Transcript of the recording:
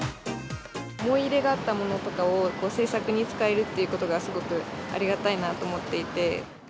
思い入れがあったものとかを製作に使えるっていうことがすごくありがたいなと思っていて。